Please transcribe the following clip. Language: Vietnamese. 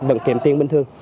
vẫn kiếm tiền bình thường